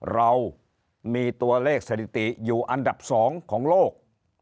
เรามีตัวเลขสถิติอยู่อันดับ๒ของโลก